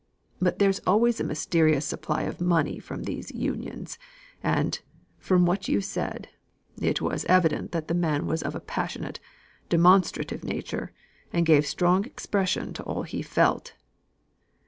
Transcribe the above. But there is always a mysterious supply of money from these Unions; and, from what you said, it was evident the man was of a passionate, demonstrative nature, and gave strong expression to all he felt."